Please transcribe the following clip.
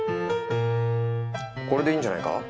これでいいんじゃないか？